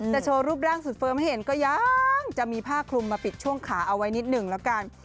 แต่โชว์รูปร่างสุดเฟิร์มให้เห็นก็ยังจะมีผ้าคลุมมาปิดช่วงขาเอาไว้นิดหนึ่งแล้วกัน